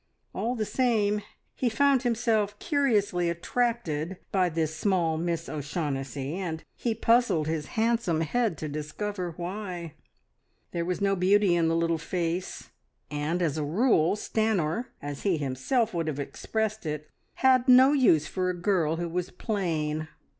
All the same, he found himself curiously attracted by this small Miss O'Shaughnessy, and he puzzled his handsome head to discover why. There was no beauty in the little face, and, as a rule, Stanor, as he himself would have expressed it, had "no use" for a girl who was plain.